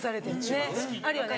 ねっあるよね